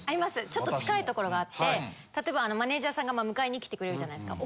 ちょっと近いところがあって例えばマネジャーさんが迎えに来てくれるじゃないですか。